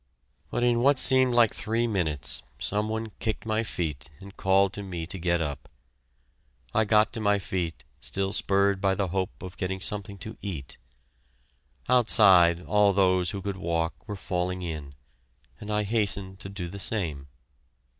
But in what seemed like three minutes, some one kicked my feet and called to me to get up. I got to my feet, still spurred by the hope of getting something to eat. Outside, all those who could walk were falling in, and I hastened to do the same.